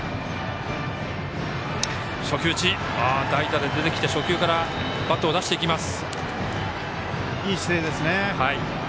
代打で出てきて初球からバットを出していきます。